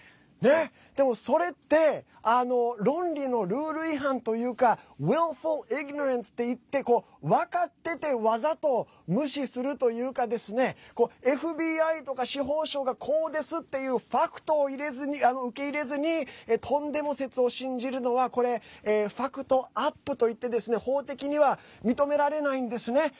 でも、それって論理のルール違反というかＷｉｌｌｆｕｌＩｇｎｏｒａｎｃｅっていって分かっててわざと無視するというかですねＦＢＩとか司法省がこうですっていうファクトを受け入れずにとんでも説を信じるのはファクトアップといって法的には認められないんですね。